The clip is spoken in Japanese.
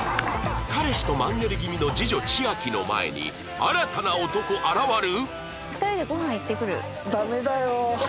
彼氏とマンネリ気味の次女千秋の前に新たな男現る？